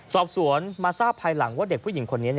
สอบสวนมาทราบภายหลังว่าเด็กผู้หญิงคนนี้